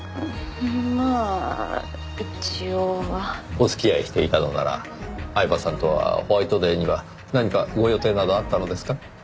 お付き合いしていたのなら饗庭さんとはホワイトデーには何かご予定などあったのですか？